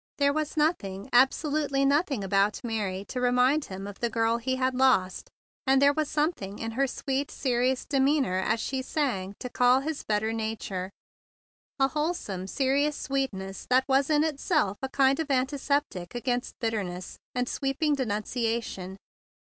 There was nothing, absolutely noth 61 THE BIG BLUE SOLDIER ing, about Mary to remind him of the girl he had lost; and there was some¬ thing in her sweet, serious demeanor as she sang to call to his better nature; a wholesome, serious sweetness that was in itself a kind of antiseptic against bit¬ terness and sweeping denunciation.